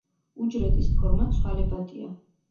უჯრედის ფორმა ცვალებადია.